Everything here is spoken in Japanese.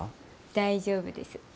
大丈夫です。